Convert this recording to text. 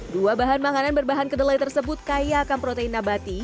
dua bahan makanan berbahan kedelai tersebut kaya akan protein nabati